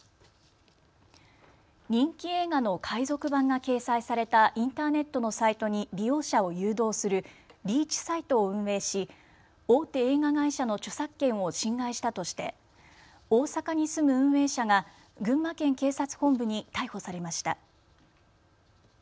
人気映画の海賊版が掲載されたインターネットのサイトに利用者を誘導するリーチサイトを運営し大手映画会社の著作権を侵害したとして大阪に住む運営者が群馬県警察本部に逮捕されました。